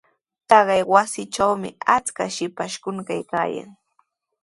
Taqay wasitrawmi achkaq shipashkuna kaykaayan.